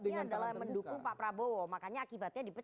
sebabnya adalah mendukung pak prabowo makanya akibatnya dipecat